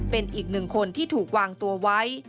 เป็นอีกหนึ่งคนที่ถูกวางตัวไว้